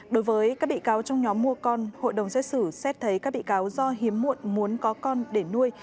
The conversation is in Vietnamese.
đối với các bị cáo trong nhóm mua con hội đồng xét xử xét thấy các bị cáo do hiếm muộn muốn có con để nuôi